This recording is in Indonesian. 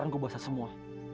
orangku basah semua